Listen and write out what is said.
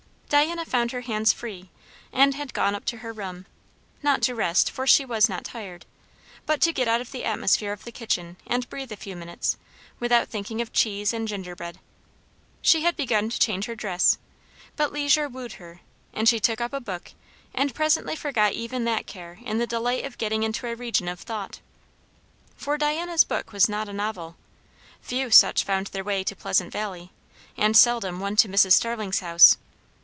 Diana found her hands free; and had gone up to her room, not to rest, for she was not tired, but to get out of the atmosphere of the kitchen and breathe a few minutes without thinking of cheese and gingerbread. She had begun to change her dress; but leisure wooed her, and she took up a book and presently forgot even that care in the delight of getting into a region of thought. For Diana's book was not a novel; few such found their way to Pleasant Valley, and seldom one to Mrs. Starling's house.